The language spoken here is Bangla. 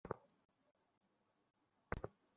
ক্ষুধার্তকে আহার দান করেন।